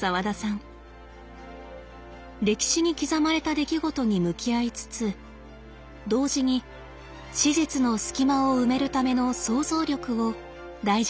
歴史に刻まれた出来事に向き合いつつ同時に史実の隙間を埋めるための想像力を大事にしています。